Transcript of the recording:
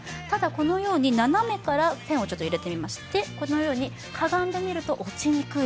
ただこのように斜めからペンを入れてみますが、このようにかがんでみると落ちにくい。